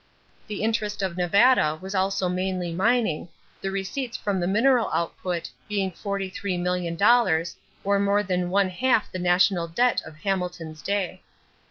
The interest of Nevada was also mainly mining, the receipts from the mineral output being $43,000,000 or more than one half the national debt of Hamilton's day.